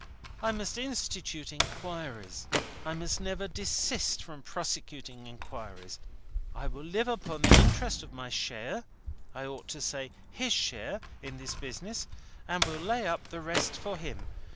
I must institute inquiries. I must never desist from prosecuting inquiries. I will live upon the interest of my share I ought to say his share in this business, and will lay up the rest for him.